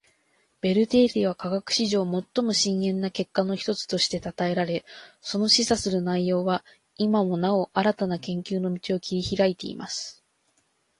ベル定理は科学史上最も深遠な結果の一つとして讃えられ，その示唆する内容は今もなお新たな研究の道を切り拓いています．